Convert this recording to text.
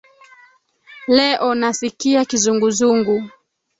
Leo nasikia kizunguzungu.